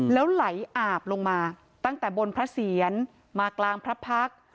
แล้วไหลอาบลงมาตั้งแต่บนพระเสียรมากลางพระพักษ์